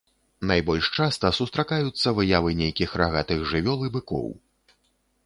Найбольш часта сустракаюцца выявы нейкіх рагатых жывёл і быкоў.